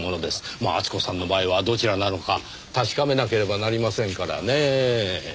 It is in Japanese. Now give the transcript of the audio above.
まあ厚子さんの場合はどちらなのか確かめなければなりませんからねぇ。